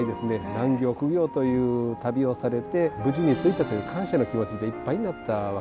難行苦行という旅をされて無事に着いたという感謝の気持ちでいっぱいになったわけなんですね。